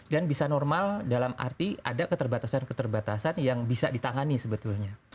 dan bisa normal dalam arti ada keterbatasan keterbatasan yang bisa ditangani sebetulnya